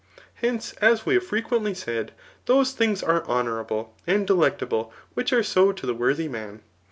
Hence, as we have frequently said, those things are honourable and de lectable, which are so to the worthy man.